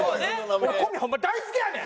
俺小宮ホンマに大好きやねん！